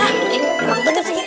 wah ini aku bener sih